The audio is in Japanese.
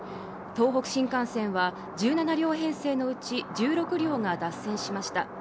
東北新幹線は１７両編成のうち１６両が脱線しました。